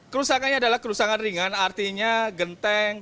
kerusakannya adalah kerusakan ringan artinya genteng